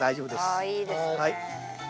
ああいいですね。